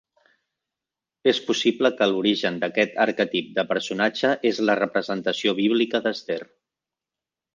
És possible que l'origen d'aquest arquetip de personatge és la representació bíblica d'Esther.